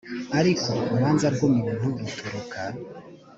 ariko urubanza rw umuntu ruturuka